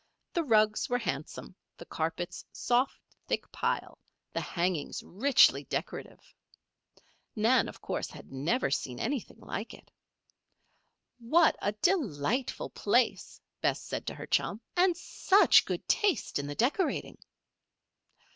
The rugs were handsome, the carpets soft, thick pile, the hangings richly decorative. Nan, of course, had never seen anything like it. "What a delightful place," Bess said to her chum. "And such good taste in the decorating."